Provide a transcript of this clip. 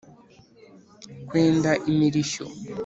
kwenda imirishyo.